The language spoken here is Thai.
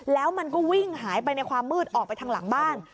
แล้วมันก็วิ่งหายไปในความมืดออกไปทางหลังบ้าน